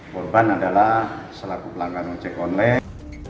korban adalah selaku pelanggan ojek online